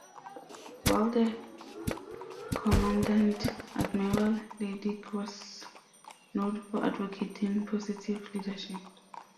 While the Commandant, Admiral Leidig was known for advocating positive leadership.